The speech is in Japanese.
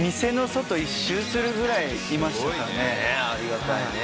ありがたいね